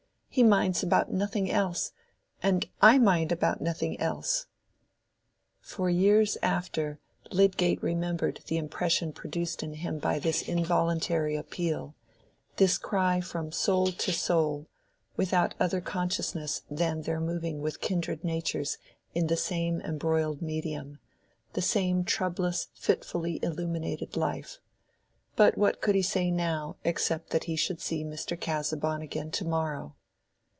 He minds about nothing else.— And I mind about nothing else—" For years after Lydgate remembered the impression produced in him by this involuntary appeal—this cry from soul to soul, without other consciousness than their moving with kindred natures in the same embroiled medium, the same troublous fitfully illuminated life. But what could he say now except that he should see Mr. Casaubon again to morrow?